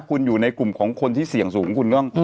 คุณอยู่ในกลุ่มของคนที่เสี่ยงสูงคุณก็